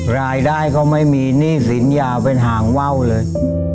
รายได้ก็ไม่มีหนี้สินยาวเป็นหางว่าวเลย